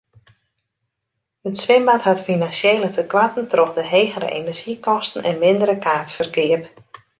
It swimbad hat finansjele tekoarten troch de hegere enerzjykosten en mindere kaartferkeap.